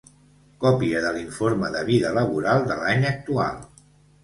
Còpia de l'informe de vida laboral de l'any actual.